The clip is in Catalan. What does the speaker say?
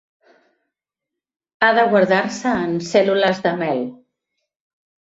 Ha de guardar-se en cèl·lules de mel.